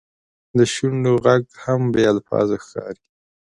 د شونډو ږغ هم بې الفاظو ښکاري.